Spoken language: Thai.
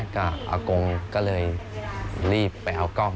ก็อากงก็เลยรีบไปเอากล้อง